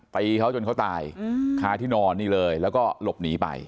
ตีเขาจนเขาตายคาที่นอนนี่เลยแล้วก็หลบหนีไป